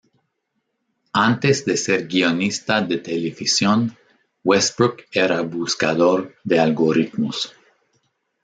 Antes de ser guionista de televisión, Westbrook era buscador de algoritmos.